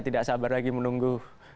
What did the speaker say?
tidak sabar lagi menunggu